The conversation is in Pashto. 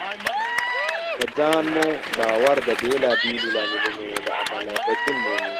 په ځان مو باور د بېلابېلو لاملونو له امله بدلون مومي.